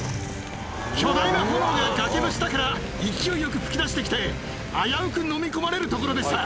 巨大な炎が崖の下から勢いよく噴き出してきて、危うく飲み込まれるところでした。